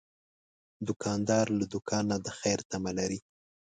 دوکاندار له دوکان نه د خیر تمه لري.